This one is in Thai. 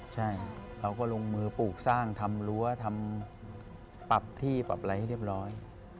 ใช่เขาก็ลงมือปลูกสร้างทำรั้วทำปรับที่ปรับอะไรให้เรียบร้อย